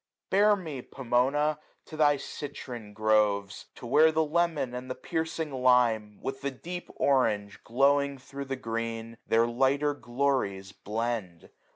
Bear me, Pomona ! to thy citron groves ; To where the lemon and the piercing lime, With the deep orange, glowing thro* the green, 66^ Their lighter glories blend.